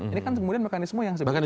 ini kan kemudian mekanisme yang sebenarnya